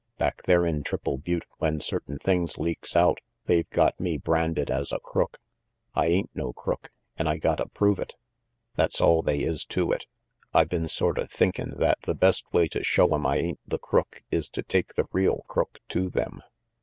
"Back there in Triple Butte, when certain things leaks out, they've got me branded as a crook. I ain't no crook, an' I gotta prove it; 294 RANGY PETE that's all they is to it. I been sorta thinkin' that the best way to show 'em I ain't the crook is to take the real crook to them."